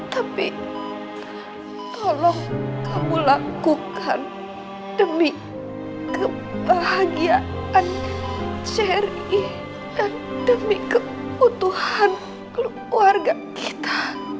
tapi tolong kamu lakukan demi kebahagiaan syari dan demi keutuhan keluarga kita